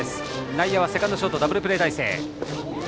内野はセカンドショートダブルプレー態勢。